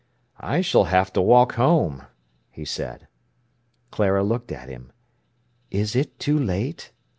"I s'll have to walk home!" he said. Clara looked at him. "It is too late?"